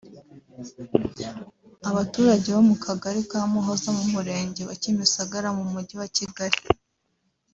Abaturage bo mu Kagari ka Kamuhoza mu Murenge wa Kimisagara mu Mujyi wa Kigali